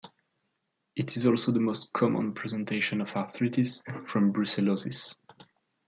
It is also the most common presentation of arthritis from brucellosis.